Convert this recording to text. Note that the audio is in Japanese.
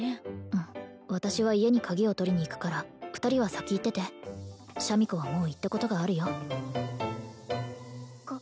うん私は家に鍵を取りに行くから２人は先行っててシャミ子はもう行ったことがあるよこ